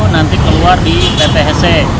nanti keluar di pt hese